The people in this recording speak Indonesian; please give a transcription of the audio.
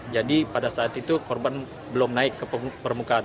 jadi pada saat itu korban belum naik ke permukaan